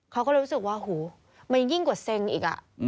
เขาก็เลยรู้สึกว่าหูมันยิ่งกว่าเซ็งอีก